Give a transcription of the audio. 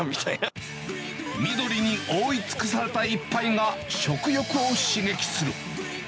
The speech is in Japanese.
緑に覆い尽くされた一杯が食欲を刺激する。